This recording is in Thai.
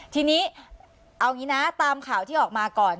ทีนี้เอาอย่างนี้นะตามข่าวที่ออกมาก่อน